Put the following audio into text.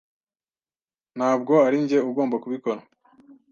Ntabwo arinjye ugomba kubikora.